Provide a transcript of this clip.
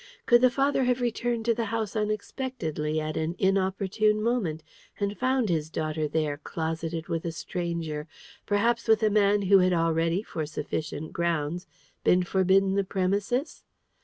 Could the father have returned to the house unexpectedly, at an inopportune moment, and found his daughter there, closeted with a stranger perhaps with a man who had already, for sufficient grounds, been forbidden the premises?